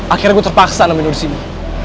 akhirnya gue terpaksa nomenur disini